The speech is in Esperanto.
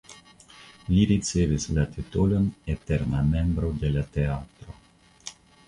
Li ricevis la titolon "eterna membro de la teatro".